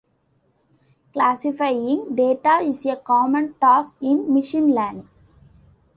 Classifying data is a common task in machine learning.